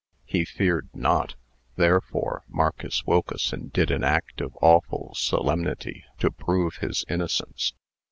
He feared not. Therefore Marcus Wilkeson did an act of awful solemnity, to prove his innocence.